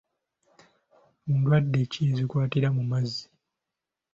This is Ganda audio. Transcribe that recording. Ndwadde ki ezikwatira mu mazzi?